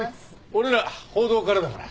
俺ら報道からだから。